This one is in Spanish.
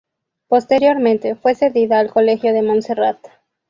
Posteriormente, fue cedida al Colegio de Monserrat.